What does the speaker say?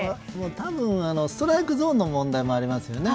多分、ストライクゾーンの問題もありますよね。